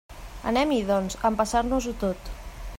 Anem-hi, doncs, a empassar-nos-ho tot.